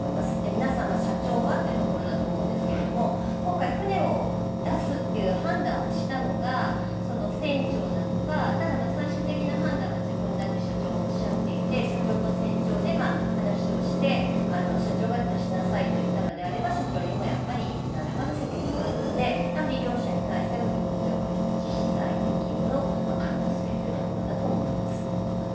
皆様、社長はというところだと思うんですけれども、今回、船を出すという判断をしたのが船長なのか、ただ最終的な判断は自分だと社長もおっしゃっていて社長と船長で話をして、社長が出しなさいと言ったのであれば、社長にも何らかの責任はあるので、両者に対しては業務上過失致死罪適用の可能性があると思います。